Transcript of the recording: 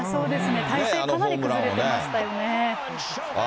体勢かなり崩れてましたよね。